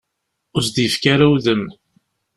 Ur as-d-yefki ara udem.